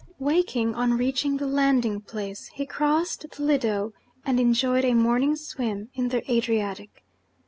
Waking, on reaching the landing place, he crossed the Lido, and enjoyed a morning's swim in the Adriatic.